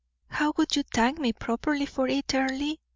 "How would you thank me properly for it, Earle?"